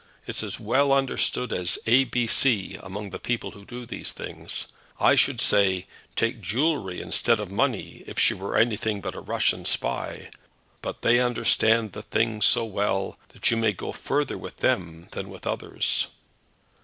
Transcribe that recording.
It's as well understood as A B C, among the people who do these things. I should say take jewellery instead of money if she were anything but a Russian spy; but they understand the thing so well, that you may go farther with them than with others."